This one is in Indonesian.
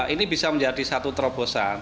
ini bisa menjadi satu terobosan